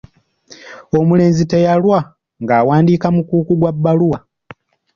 Omulenzi teyalwa ng’awandiika mukuuku gwa bbaluwa.